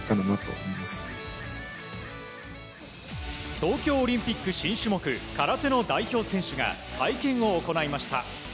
東京オリンピック新種目空手の代表選手が会見を行いました。